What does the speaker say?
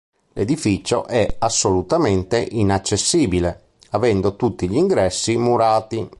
L'edificio è assolutamente inaccessibile, avendo tutti gli ingressi murati.